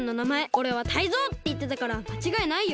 「おれはタイゾウ！」っていってたからまちがいないよ。